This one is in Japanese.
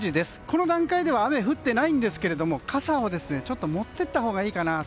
この段階では雨が降っていませんが傘を持っていったほうがいいかな。